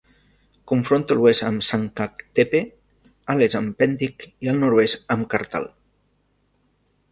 Confronta a l'oest amb Sancaktepe, a l'est amb Pendik i al nord-oest amb Kartal.